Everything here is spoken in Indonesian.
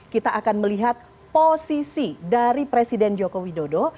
kita akan melihat posisi dari presiden jokowi dodo